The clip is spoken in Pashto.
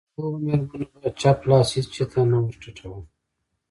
دغو مېرمنو به چپ لاس هېڅ شي ته نه ور ټیټاوه.